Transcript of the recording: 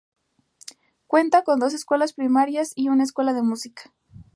Cuenta con dos escuelas primarias y una escuela de música.